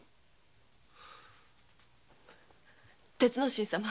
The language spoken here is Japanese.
鉄之進様